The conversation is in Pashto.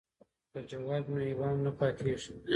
که ځواب وي نو ابهام نه پاتیږي.